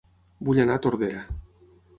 Vull anar a Tordera